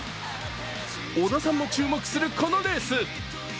織田さんも注目するこのレース。